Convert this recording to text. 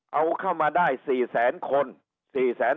เอาเข้ามาได้๔๐๐๐๐๐คน